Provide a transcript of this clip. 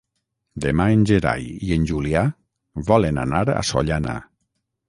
Demà en Gerai i en Julià volen anar a Sollana.